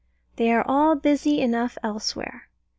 They are all busy enough elsewhere.